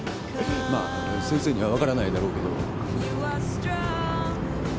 まあ先生には分からないだろうけど。